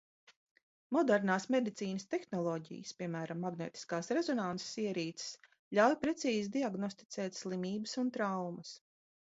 Modernās medicīnas tehnoloģijas, piemēram, magnētiskās rezonanses ierīces, ļauj precīzi diagnosticēt slimības un traumas.